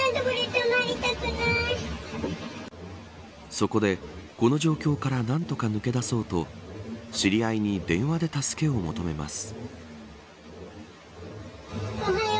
そこで、この状況から何とか抜け出そうと知り合いに電話で助けを求めます。